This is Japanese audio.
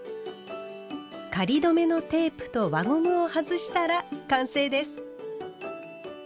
仮留めのテープと輪ゴムを外したら完成です。